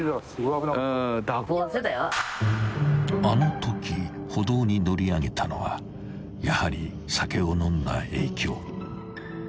［あのとき歩道に乗り上げたのはやはり酒を飲んだ影響］